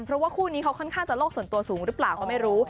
เพราะว่าคู่นี้เขาค่อนข้างจะโลกส่วนตัวสูงหรือเปล่าก็ไม่รู้